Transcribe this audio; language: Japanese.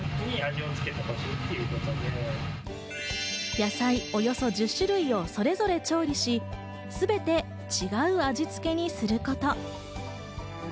野菜、およそ１０種類をそれぞれ調理し、全て違う味つけにすること。